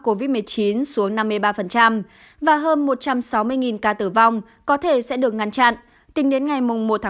covid một mươi chín xuống năm mươi ba và hơn một trăm sáu mươi ca tử vong có thể sẽ được ngăn chặn tính đến ngày một ba hai nghìn hai mươi hai